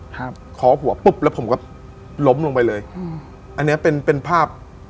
ครับคอหัวปุ๊บแล้วผมก็ล้มลงไปเลยอืมอันเนี้ยเป็นเป็นภาพ